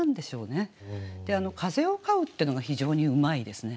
「風を飼ふ」ってのが非常にうまいですね。